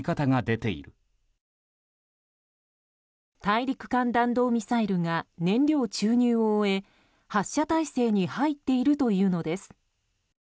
大陸間弾道ミサイルが燃料注入を終え発射態勢に入っているというのです。